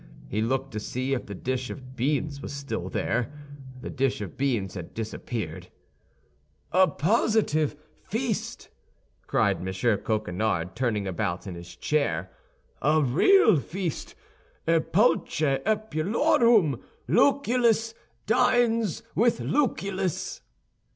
He looked to see if the dish of beans was still there; the dish of beans had disappeared. "A positive feast!" cried M. Coquenard, turning about in his chair, "a real feast, epulœ epulorum. Lucullus dines with Lucullus."